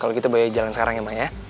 kalau gitu boy jalan sekarang ya ma ya